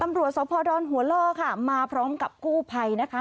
ตำรวจสภดอนหัวล่อค่ะมาพร้อมกับกู้ภัยนะคะ